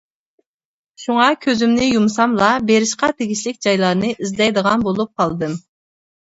شۇڭا، كۆزۈمنى يۇمساملا بېرىشقا تېگىشلىك جايلارنى ئىزدەيدىغان بولۇپ قالدىم.